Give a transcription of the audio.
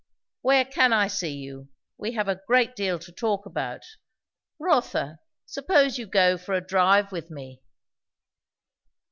"Where can I see you? We have a great deal to talk about. Rotha, suppose you go for a drive with me?"